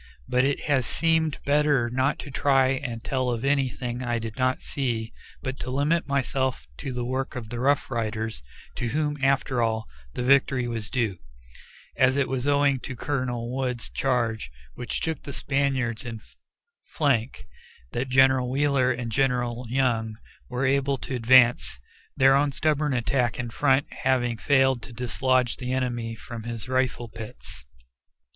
But it has seemed better not to try and tell of anything I did not see, but to limit myself to the work of the Rough Riders, to whom, after all, the victory was due, as it was owing to Colonel Wood's charge, which took the Spaniards in flank, that General Wheeler and General Young were able to advance, their own stubborn attack in front having failed to dislodge the enemy from his rifle pits.